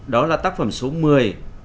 đó là tác phẩm số một mươi